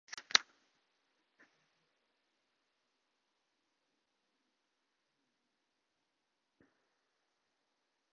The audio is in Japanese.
ここにくるまでの遠い道が彼を疲れさせたなどとは思われなかった。どんなに何日ものあいだ、冷静に一歩一歩とさすらいつづけてきたことか！